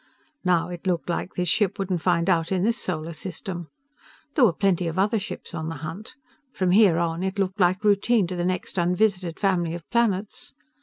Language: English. Now, it looked like this ship wouldn't find out in this solar system. There were plenty of other ships on the hunt. From here on, it looked like routine to the next unvisited family of planets.